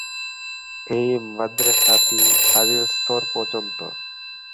এই মাদ্রাসাটি ফাযিল স্তর পর্যন্ত।